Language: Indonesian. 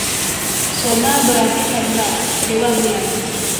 Soma berarti Chandra, dewa bulan.